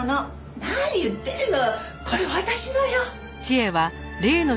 これ私のよ。